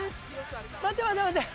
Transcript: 待って待って待って！